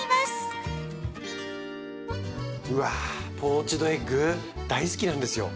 うわポーチドエッグ大好きなんですよ。